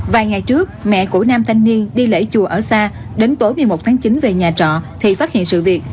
vài ngày trước mẹ của nam thanh niên đi lễ chùa ở xa đến tối một mươi một tháng chín về nhà trọ thì phát hiện sự việc